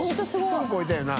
すぐ超えたよな？